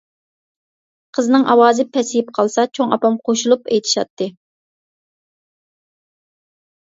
قىزنىڭ ئاۋازى پەسىيىپ قالسا، چوڭ ئاپام قوشۇلۇپ ئېيتىشاتتى.